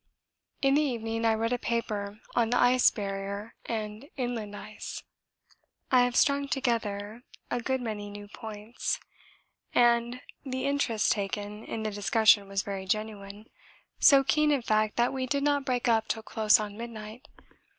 In the evening I read a paper on 'The Ice Barrier and Inland Ice.' I have strung together a good many new points and the interest taken in the discussion was very genuine so keen, in fact, that we did not break up till close on midnight.